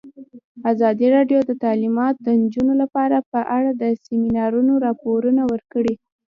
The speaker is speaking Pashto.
ازادي راډیو د تعلیمات د نجونو لپاره په اړه د سیمینارونو راپورونه ورکړي.